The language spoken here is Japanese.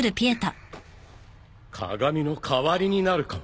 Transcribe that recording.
鏡の代わりになるかも。